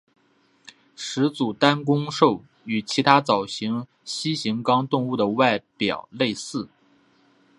始祖单弓兽与其他早期蜥形纲动物的外表类似。